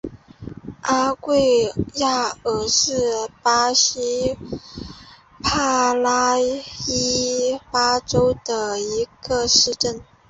阿圭亚尔是巴西帕拉伊巴州的一个市镇。